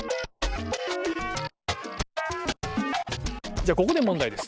じゃここで問題です。